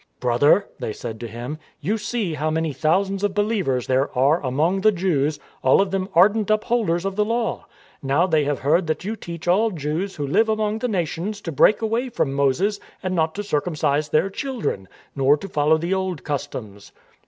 " Brother," they said to him, " you see how many thousands of believers there are among the Jews, all of them ardent upholders of the Law. Now they have heard that you teach all Jews who live among the Nations to break away from Moses and not to circumcise their children, nor to follow the old customs.